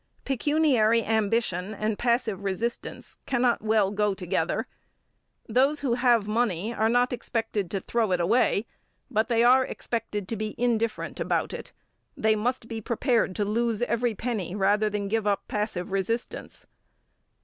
Pecuniary ambition and passive resistance cannot well go together. Those who have money are not expected to throw it away, but they are expected to be indifferent about it. They must be prepared to lose every penny rather than give up passive resistance.